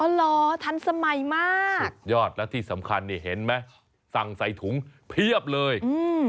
เหรอทันสมัยมากสุดยอดแล้วที่สำคัญนี่เห็นไหมสั่งใส่ถุงเพียบเลยอืม